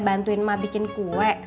bantuin emak bikin kue